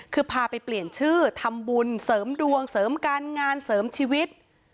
คือพาไปเปลี่ยนชื่อทำบุญเสริมดวงเสริมการงานเสริมชีวิต